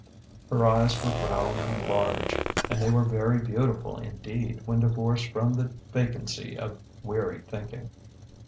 Her eyes were brown and large, and they were very beautiful indeed when divorced from the vacancy of weary thinking.